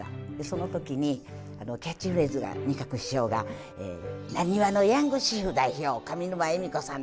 その時にキャッチフレーズが仁鶴師匠が「浪花のヤング主婦代表上沼恵美子さんです」。